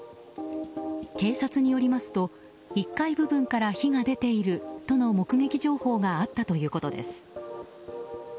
警察によりますと１階部分から火が出ているとの目撃情報があったということです。